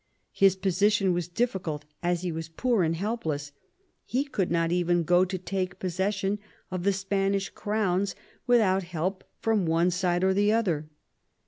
His position was difficult, as he was poor and helpless; he could not even go to take possession of the Spanish Crowns without help from one side or the other.